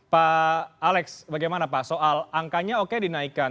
pak alex bagaimana pak soal angkanya oke dinaikkan